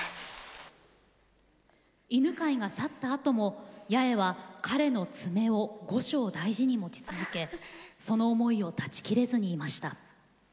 犬飼が去ったあとも八重は彼の爪を後生大事に持ち続けその思いを断ち切れずにいました。